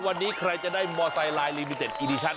วันนี้ใครจะได้มอเตอร์ไลน์ลิมิเต็ดอินิชัน